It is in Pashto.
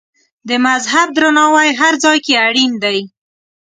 د مذهب درناوی هر ځای کې اړین دی.